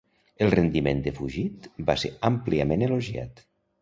El rendiment de Fugit va ser àmpliament elogiat.